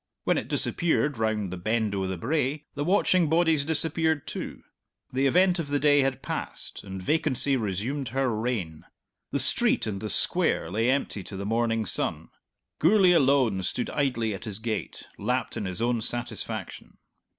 When it disappeared round the Bend o' the Brae the watching bodies disappeared too; the event of the day had passed, and vacancy resumed her reign. The street and the Square lay empty to the morning sun. Gourlay alone stood idly at his gate, lapped in his own satisfaction.